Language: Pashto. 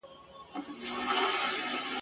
جهاني را څخه ورک دی د جانان د کوڅې لوری !.